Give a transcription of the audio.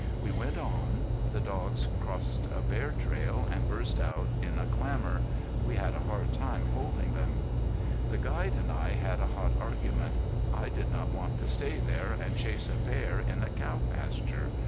We went on. The dogs crossed a bear trail, and burst out in a clamor. We had a hard time holding them. The guide and I had a hot argument. I did not want to stay there and chase a bear in a cow pasture....